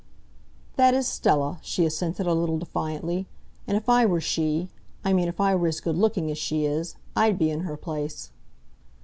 "That is Stella," she assented, a little defiantly. "And if I were she I mean if I were as good looking as she is I'd be in her place."